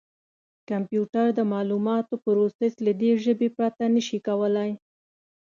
کمپیوټر د معلوماتو پروسس له دې ژبې پرته نه شي کولای.